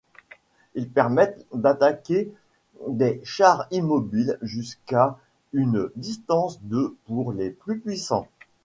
Ils permettent d'attaquer des chars immobiles jusqu'à une distance de pour les plus puissants.